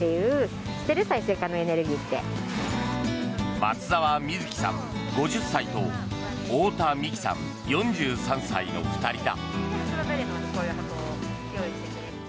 松澤瑞木さん、５０歳と太田美紀さん、４３歳の２人だ。